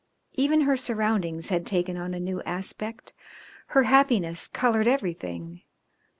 Even her surroundings had taken on a new aspect, her happiness coloured everything.